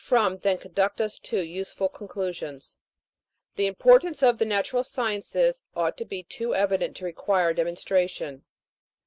Vli from than conduct us to useful conclusions. The importance of the natural sciences ought to be too evident to require demonstration.